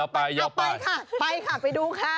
ไปค่ะไปดูค่ะ